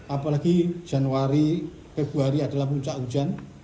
apalagi januari februari adalah puncak hujan